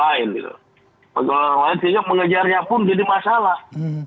sehingga mengejarnya pun jadi masalah